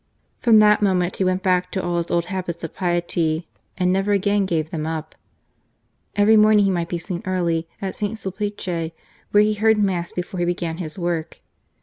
From that moment he went back to all his old habits of piety, and never again gave them up. Every morning he might be seen early at St. Sulpice, where he heard Mass before he began his work.